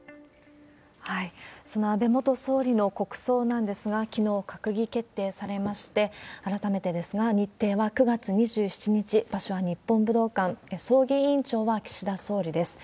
その安倍元総理の国葬なんですが、きのう、閣議決定されまして、改めてですが、日程は９月２７日、場所は日本武道館、葬儀委員長は岸田総理です。